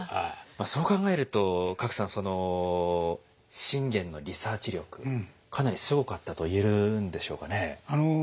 まあそう考えると加来さん信玄のリサーチ力かなりすごかったと言えるんでしょうかね？